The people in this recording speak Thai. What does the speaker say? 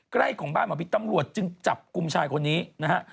ใกล้ของบ้านหมอพิษตำรวจจึงจับกลุ่มชายคนนี้นะฮะ